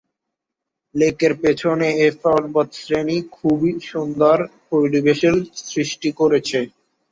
লেকের পেছনে এই পর্বতশ্রেণী খুব সুন্দর পরিবেশের সৃষ্টি করেছে।